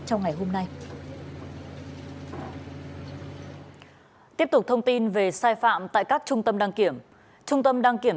trong ngày hôm nay tiếp tục thông tin về sai phạm tại các trung tâm đăng kiểm trung tâm đăng kiểm